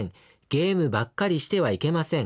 『ゲームばっかりしてはいけません』